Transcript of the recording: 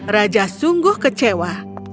raja sungguh kecewa